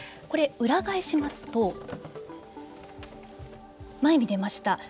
これ、裏返しますと前に出ました。